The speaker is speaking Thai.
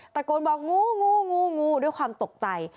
ตะโกนบอกงูงูงูด้วยความตกใจ